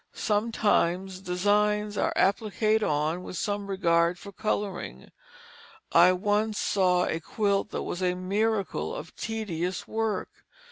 Sometimes designs are appliqued on with some regard for coloring. I once saw a quilt that was a miracle of tedious work.